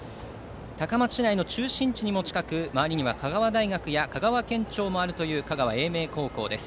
高松市内の中心部に近く周りには香川大学や県庁もある香川・英明高校です。